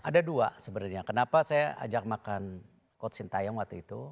ada dua sebenarnya kenapa saya ajak makan coach sintayong waktu itu